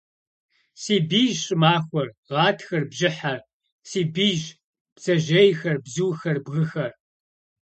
Си бийщ щӏымахуэр, гъатхэр, бжьыхьэр. Си бийщ, бдзэжьейхэр, бзухэр, бгыхэр.